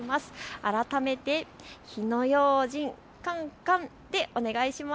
改めて火の用心、カンカンでお願いします。